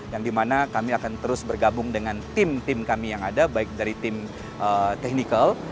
yang dimana kami akan terus bergabung dengan tim tim kami yang ada baik dari tim technical